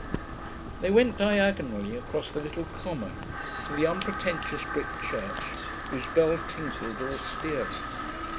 They went diagonally across the little common, to the unpretentious brick church whose bell tinkled austerely.